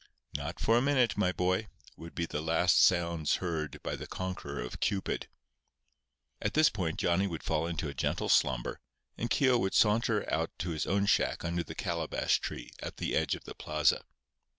"Not for a minute, my boy," would be the last sounds heard by the conqueror of Cupid. At this point Johnny would fall into a gentle slumber, and Keogh would saunter out to his own shack under the calabash tree at the edge of the plaza.